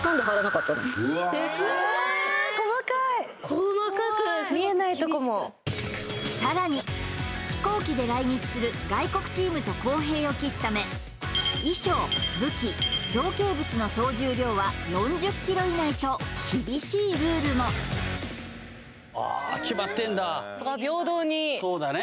細かくすごく厳しくさらに飛行機で来日する外国チームと公平を期すため衣装武器造形物の総重量は４０ｋｇ以内と厳しいルールも決まってんだそうだね